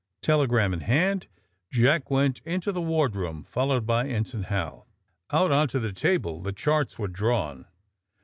Telegram in hand Jack went into the ward room, followed by Ensign Hal. Out on to the table the charts were drawn.